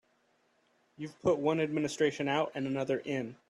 You've put one administration out and another in.